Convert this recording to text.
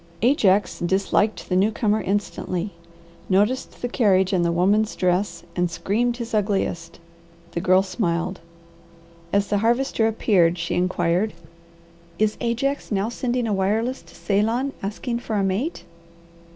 Ajax disliked the newcomer instantly, noticed the carriage and the woman's dress, and screamed his ugliest. The Girl smiled. As the Harvester appeared she inquired, "Is Ajax now sending a wireless to Ceylon asking for a mate?"